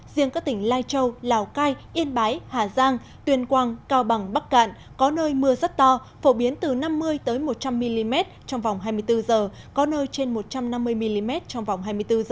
riêng các tỉnh lai châu lào cai yên bái hà giang tuyên quang cao bằng bắc cạn có nơi mưa rất to phổ biến từ năm mươi một trăm linh mm trong vòng hai mươi bốn h có nơi trên một trăm năm mươi mm trong vòng hai mươi bốn h